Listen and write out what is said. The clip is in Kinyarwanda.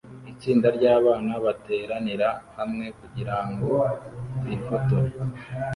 Itsinda ryabana bateranira hamwe kugirango bifotore